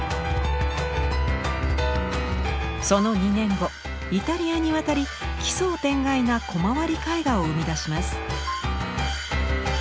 その２年後イタリアに渡り奇想天外な「コマ割り絵画」を生み出します。